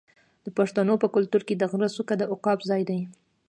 د پښتنو په کلتور کې د غره څوکه د عقاب ځای دی.